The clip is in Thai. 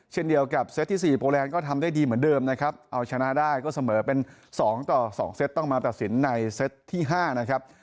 เช่นเดียวกับเซตที่๔โปรแลนด์ก็ทำได้ดีเหมือนเดิมนะครับเอาชนะได้ก็เสมอเป็น๒ต่อ๒เซตต้องมาตัดสินในเซตที่๕นะครับ